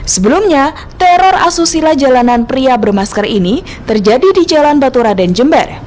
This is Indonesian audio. sebelumnya teror asusila jalanan pria bermasker ini terjadi di jalan baturaden jember